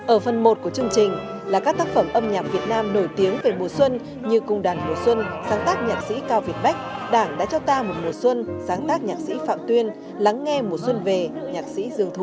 ở phần một của chương trình là các tác phẩm âm nhạc việt nam nổi tiếng về mùa xuân như cung đàn mùa xuân sáng tác nhạc sĩ cao việt bách đảng đã cho ta một mùa xuân sáng tác nhạc sĩ phạm tuyên lắng nghe mùa xuân về nhạc sĩ dương thụ